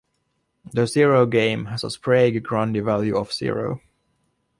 The zero game has a Sprague-Grundy value of zero.